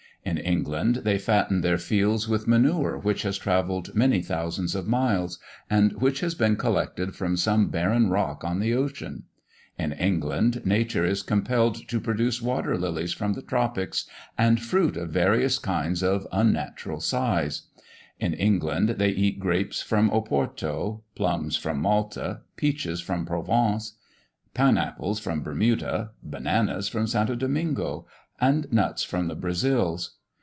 In England they fatten their fields with manure which has travelled many thousands of miles, and which has been collected from some barren rock on the ocean; in England nature is compelled to produce water lilies from the tropics, and fruit of various kinds of unnatural size; in England they eat grapes from Oporto plums from Malta peaches from Provence pine apples from Bermuda bananas from St. Domingo and nuts from the Brazils.